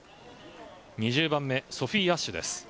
２０番目ソフィー・アッシュです。